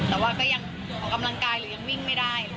แต่ว่าก็ยังออกกำลังกายหรือยังวิ่งไม่ได้